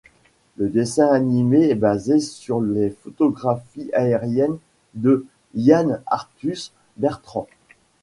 Le dessin animé est basé sur les photographies aériennes de Yann Arthus-Bertrand.